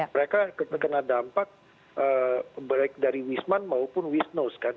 mereka kena dampak dari wisman maupun wisnos kan